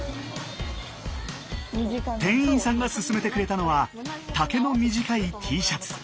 店員さんがすすめてくれたのは丈の短いＴシャツ。